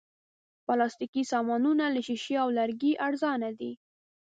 پلاستيکي سامانونه له شیشې او لرګي ارزانه دي.